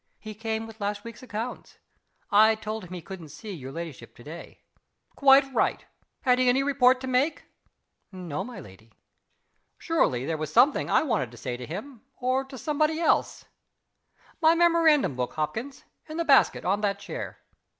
He came with last week's accounts. I told him he couldn't see your ladyship to day." "Quite right. Had he any report to make?" "No, my lady." "Surely, there was something I wanted to say to him or to somebody else? My memorandum book, Hopkins. In the basket, on that chair.